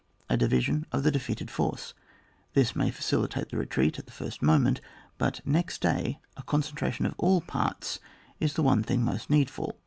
A division of the defeated force. This may facilitate the retreat at the first moment, but next day a eoneen tration of all parte is the one thing most needful.